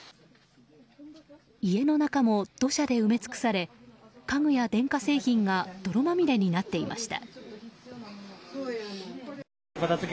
家の中も土砂で埋め尽くされ家具や電化製品が泥まみれになっていました。